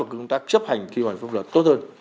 chúng ta chấp hành khi hoàn phúc là tốt hơn